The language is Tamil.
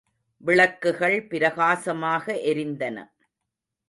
விளக்குகள் பிரகாசமாக எரிந்தன.